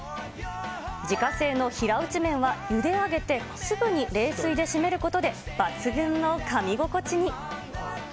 自家製の平打ち麺は、ゆで上げてすぐに冷水で締めることで、抜群のかみ心地に。